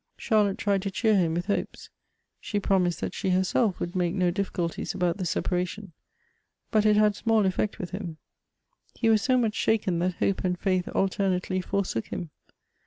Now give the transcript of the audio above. Charlotte tried to cheer him with hopes. She promised that she herself would make no difficulties about the separation ; but it had small effect with liim. He was so much shaken that hope and faith alternately forsook him.